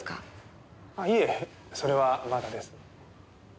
いえそれはまだです。